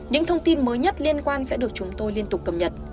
những thông tin mới nhất liên quan sẽ được chúng tôi liên tục cập nhật